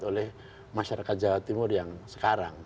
oleh masyarakat jawa timur yang sekarang